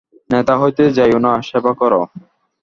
নেতা হইতে যাইও না, সেবা কর।